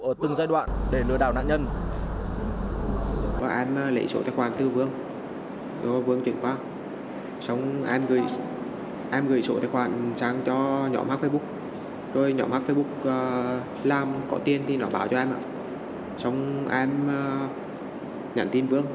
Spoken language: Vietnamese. ở từng giai đoạn để lừa đảo nạn nhân